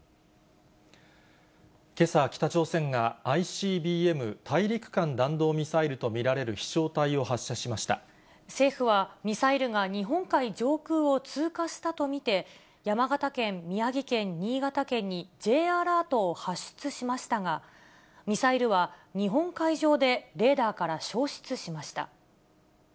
けさ、北朝鮮がＩＣＢＭ・大陸間弾道ミサイルと見られる飛しょう体を発政府は、ミサイルが日本海上空を通過したと見て、山形県、宮城県、新潟県にＪアラートを発出しましたが、ミサイルは日本海上でレーダーから消失しました。